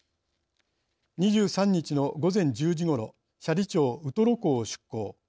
２３日の午前１０時ごろ斜里町ウトロ港を出港。